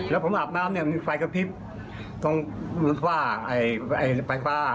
แล้วผมอาบน้ำมีไฟซัพพลิบตรงไฟฟ้า